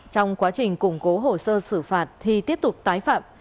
trong quá trình củng cố hồ sơ xử phạt thì tiếp tục tái phạm